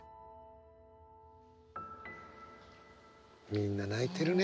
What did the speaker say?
みんな泣いてるね。